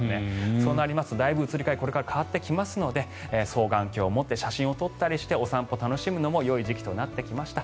そうなるとだいぶ移り変わりが変わってきますので双眼鏡を持って写真を撮ったりしてお散歩楽しむのもよい時期となってきました。